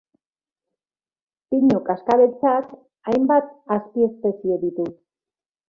Pinu kaskabeltzak hainbat azpiespezie ditu.